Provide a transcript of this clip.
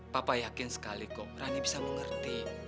papa yakin sekali kok berani bisa mengerti